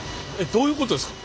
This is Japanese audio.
どういうことですか？